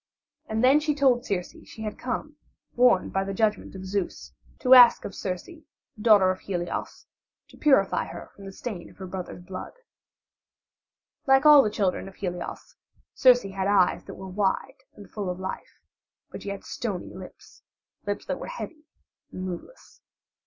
And then she told Circe she had come, warned by the judgment of Zeus, to ask of Circe, the daughter of Helios, to purify her from the stain of her brother's blood. Like all the children of Helios, Circe had eyes that were wide and full of life, but she had stony lips lips that were heavy and moveless.